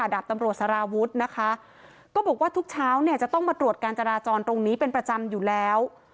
ดาบตำรวจสารวุฒินะคะก็บอกว่าทุกเช้าเนี่ยจะต้องมาตรวจการจราจรตรงนี้เป็นประจำอยู่แล้ว